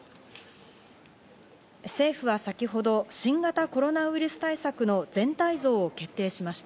政府は先ほど、新型コロナウイルス対策の全体像を決定しました。